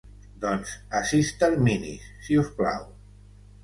Doncs a sis terminis si us plau.